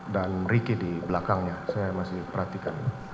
dan ricky di belakangnya saya masih perhatikan